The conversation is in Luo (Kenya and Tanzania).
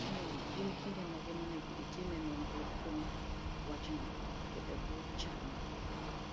Gin kinde mage monego itimie nonro kuom wachno, to e bwo chal mage?